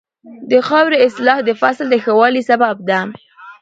د خاورې اصلاح د فصل د ښه والي سبب ده.